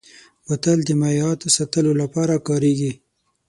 بوتل د مایعاتو ساتلو لپاره کارېږي.